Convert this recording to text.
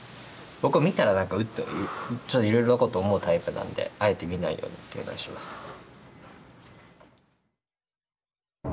僕は見たら何か「うっ」とちょっといろいろなことを思うタイプなんであえて見ないようにっていうのはしますね。